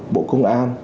bộ công an